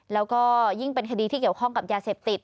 แล้วก็ยิ่งเป็นคดีที่เกี่ยวข้องกับยาเสพติด